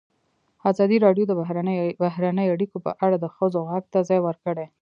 ازادي راډیو د بهرنۍ اړیکې په اړه د ښځو غږ ته ځای ورکړی.